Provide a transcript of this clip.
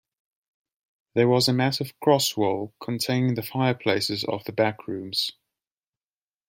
There was a massive cross-wall, containing the fireplaces of the back rooms.